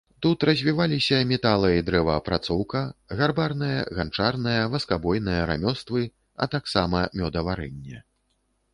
Тут развіваліся метала- і дрэваапрацоўка, гарбарнае, ганчарнае, васкабойнае рамёствы, а таксама мёдаварэнне.